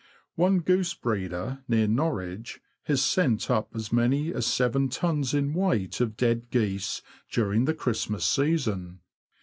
One goose breeder near Norwich has sent up as many as seven tons in weight of dead geese during the Christmas season.